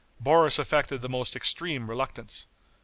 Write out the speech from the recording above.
Boris affected the most extreme reluctance.